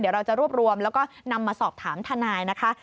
เดี๋ยวเราจะรวบรวมแล้วก็นำมาสอบถามทนายนะคะ